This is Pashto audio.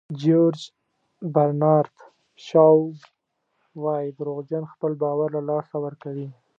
جیورج برنارد شاو وایي دروغجن خپل باور له لاسه ورکوي.